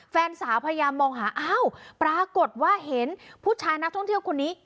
แฟนสาวพยายามมองหาอ้าวปรากฏว่าเห็นผู้ชายนักท่องเที่ยวคนนี้